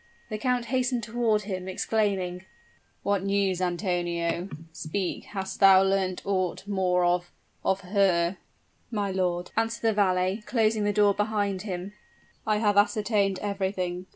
The count hastened toward him, exclaiming: "What news, Antonio? Speak hast thou learnt aught more of of her?" "My lord," answered the valet, closing the door behind him, "I have ascertained everything.